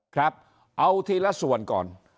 ครับเอาทีละส่วนก่อน